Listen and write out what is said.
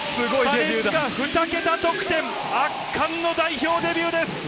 金近、２桁得点、圧巻の代表デビューです。